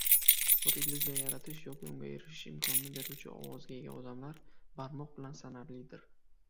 chuqur illyuziya yaratish yoki unga erishish imkonini beruvchi ovozga ega odamlar barmoq bilan sanarlidir.